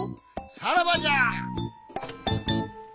さらばじゃ！